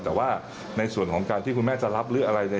แต่ว่าในส่วนของการที่คุณแม่จะรับหรืออะไร